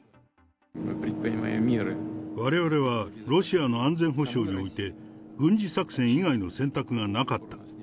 われわれはロシアの安全保障において、軍事作戦以外の選択がなかった。